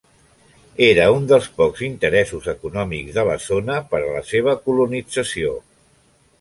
Era un dels pocs interessos econòmics de la zona per a la seva colonització.